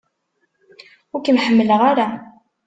Ur kem-ḥemmleɣ ara!